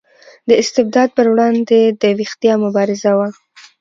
د استبداد پر وړاندې د ویښتیا مبارزه وه.